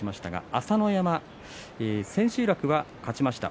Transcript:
朝乃山、千秋楽は勝ちました。